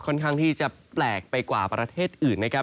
ข้างที่จะแปลกไปกว่าประเทศอื่นนะครับ